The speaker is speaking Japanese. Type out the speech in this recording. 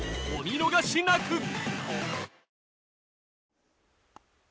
お見逃しなく！